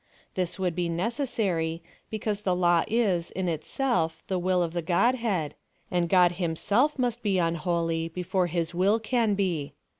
Tliis w.3uld be neccessary, because the law is, in itself, the will of the Godhead, and God himself must be unholy before his will can be.